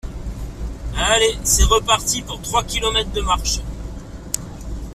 Aller, c'est reparti pour trois kilomètres de marche.